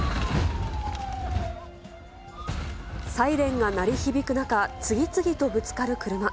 サイレンが鳴り響く中、次々とぶつかる車。